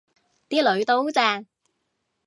啲囡都正